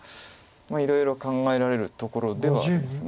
まあいろいろ考えられるところではあります。